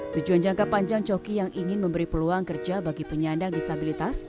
tujuan jangka panjang coki yang ingin memberi peluang kerja bagi penyandang disabilitas